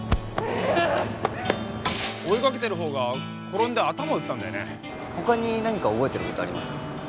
・追いかけてる方が転んで頭打ったんだ他に何か覚えてることありますか？